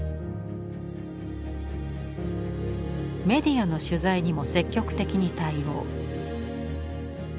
メディアの取材にも積極的に対応。